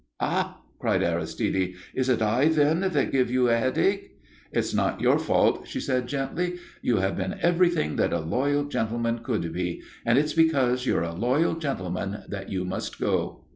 "Ah!" cried Aristide, "is it I, then, that give you a headache?" "It's not your fault," she said gently. "You have been everything that a loyal gentleman could be and it's because you're a loyal gentleman that you must go."